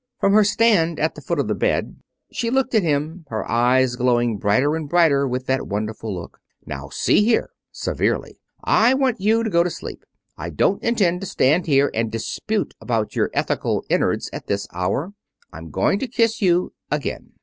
From her stand at the foot of the bed she looked at him, her eyes glowing brighter and brighter with that wonderful look. "Now see here," severely "I want you to go to sleep. I don't intend to stand here and dispute about your ethical innards at this hour. I'm going to kiss you again."